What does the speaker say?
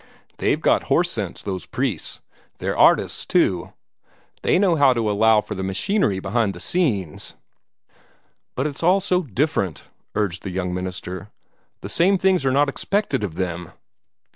They've got horse sense, those priests. They're artists, too. They know how to allow for the machinery behind the scenes." "But it's all so different," urged the young minister; "the same things are not expected of them.